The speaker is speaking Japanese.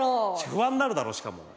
不安になるだろしかも。